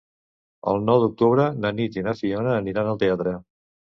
El nou d'octubre na Nit i na Fiona aniran al teatre.